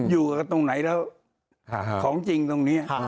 อยู่กันตรงไหนแล้วของจริงตรงนี้